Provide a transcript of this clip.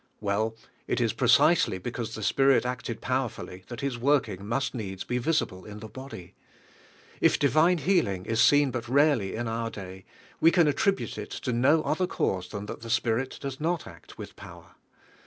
Well, it is precisely be cause the Spirit acted powerfully that Hig working must needs be visible in the body. If divine healing is seen but rare ly in our day, we can attribute it to no other cause than that the Spirit does nes act with power.